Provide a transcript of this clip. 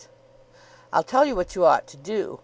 "I'll tell you what you ought to do.